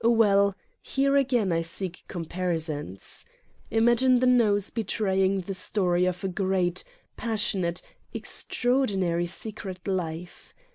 Well, here again I seek comparisons. Imagine the nose betraying the story of a graat, passionate, extraordinary, secret life.